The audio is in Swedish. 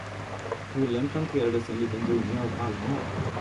På kullen planterades en liten dunge av almar.